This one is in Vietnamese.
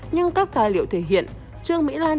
nhưng các tài liệu thể hiện trương mỹ lan